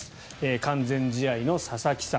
完全試合の佐々木さん。